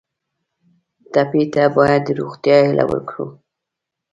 ټپي ته باید د روغتیا هیله ورکړو.